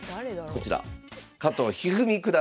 こちら。